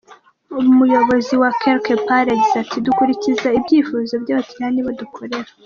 Umuyobozi wa Quelque Part yagize ati “ Dukurikiza ibyifuzo by’abakiriya, nibo dukorera.